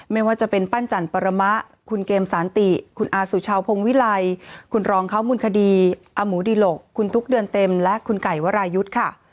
ไม่ว่าจะเป็นปั้นจันปรมะคุณเกมสานติคุณอาสุชาวพงวิลัยคุณรองเขามูลคดีอหมูดิหลกคุณตุ๊กเดือนเต็มและคุณไก่วรายุทธ์ค่ะ